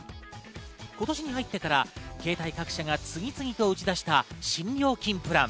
今年に入ってから携帯各社が次々と打ち出した新料金プラン。